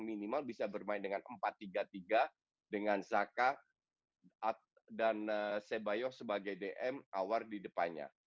minimal bisa bermain dengan empat tiga tiga dengan zaka dan sebayo sebagai dm awar di depannya